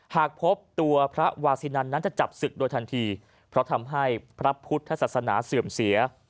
หากพบตัวพระวาซินันนั้นจะจับศึกโดยทันทีเพราะทำให้พระพุทธศาสนาเสื่อมเสีย